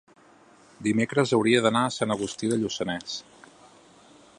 dimecres hauria d'anar a Sant Agustí de Lluçanès.